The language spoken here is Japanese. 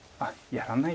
やらない。